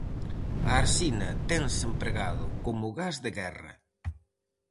A arsina tense empregado como gas de guerra.